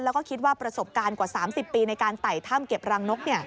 แล้วก็คิดว่าประสบการณ์กว่า๓๐ปีในการไต่ถ้ำเก็บรังนก